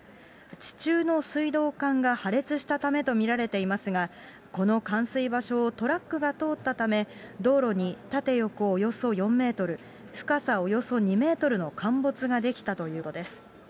地中の水道管が破裂したためと見られていますが、この冠水場所をトラックが通ったため、道路に縦横およそ４メートル、深さおよそ２メートルの陥没が出来たということです。